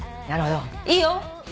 いいよ。